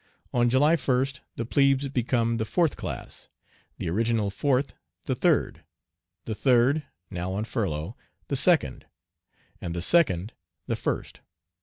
On July 1st the plebes become the fourth class; the original fourth the third; the third, now on furlough, the second; and the second the first.